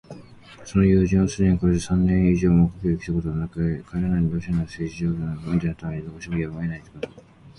その友人はすでにこれで三年以上も故郷へきたことはなく、帰らないのはロシアの政治情勢の不安定のためにどうしてもやむをえぬことだ、と説明していた。